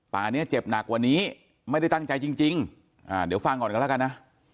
นี้เจ็บหนักกว่านี้ไม่ได้ตั้งใจจริงเดี๋ยวฟังก่อนกันแล้วกันนะ